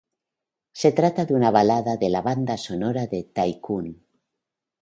Se trata de una balada de la Banda sonora de Tycoon.